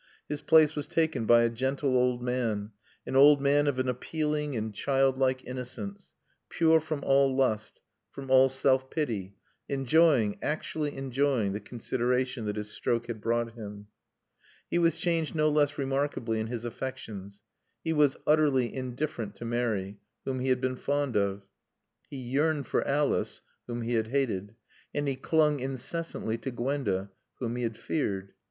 His place was taken by a gentle old man, an old man of an appealing and childlike innocence, pure from all lust, from all self pity, enjoying, actually enjoying, the consideration that his stroke had brought him. He was changed no less remarkably in his affections. He was utterly indifferent to Mary, whom he had been fond of. He yearned for Alice, whom he had hated. And he clung incessantly to Gwenda, whom he had feared.